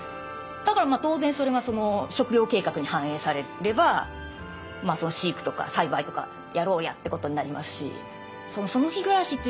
だからまあ当然それが食料計画に反映されれば飼育とか栽培とかやろうやっていうことになりますし。